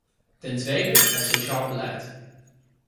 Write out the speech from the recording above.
Ten tweede, het sociaal beleid.